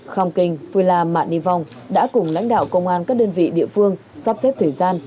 khong kinh phùy la mạng nhi vong đã cùng lãnh đạo công an các đơn vị địa phương sắp xếp thời gian